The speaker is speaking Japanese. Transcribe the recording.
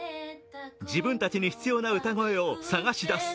自分たちに必要な歌声を探し出す。